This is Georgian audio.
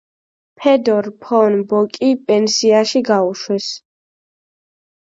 ფედორ ფონ ბოკი პენსიაში გაუშვეს.